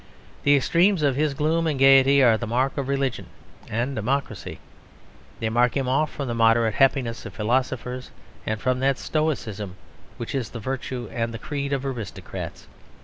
The extremes of his gloom and gaiety are the mark of religion and democracy; they mark him off from the moderate happiness of philosophers, and from that stoicism which is the virtue and the creed of aristocrats.